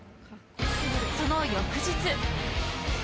その翌日。